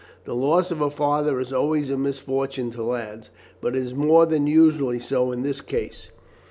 The loss of a father is always a misfortune to lads, but it was more than usually so in this case.